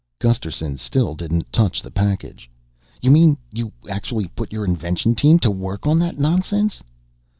Gusterson still didn't touch the package. "You mean you actually put your invention team to work on that nonsense?"